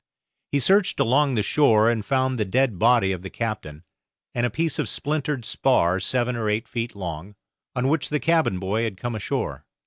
He searched along the shore and found the dead body of the captain, and a piece of splintered spar seven or eight feet long, on which the cabin boy had come ashore.